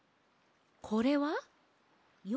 これは？よ